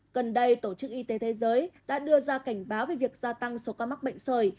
gần đây tổ chức y tế thế giới đã đưa ra cảnh báo về việc gia tăng số ca mắc bệnh sởi